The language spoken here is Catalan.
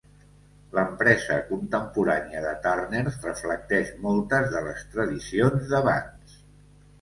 L'empresa contemporània de Turners reflecteix moltes de les tradicions d'abans.